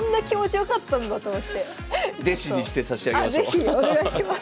是非お願いします。